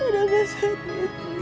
ada mas ardi